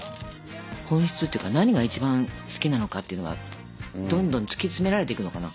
本質っていうか何が一番好きなのかっていうのがどんどん突き詰められていくのかな。